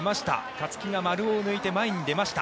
勝木が丸尾を抜いて前に出ました。